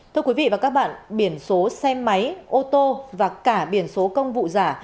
thưa quý vị và các bạn biển số xe máy ô tô và cả biển số công vụ giả